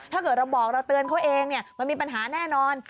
ถ้าเกิดเราบอกเราเตือนเขาเองมันมีปัญหาแน่นอน